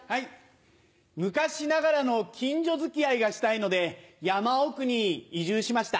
昔ながらの近所付き合いがしたいので山奥に移住しました。